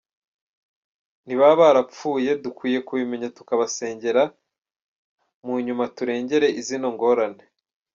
Ni baba barapfuye, dukwiye kubimenya tukabasengera, munyuma turengere zino ngorane.